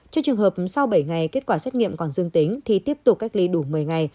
trước trường hợp sau bảy ngày kết quả xét nghiệm còn dương tính thì tiếp tục cách ly đủ một mươi ngày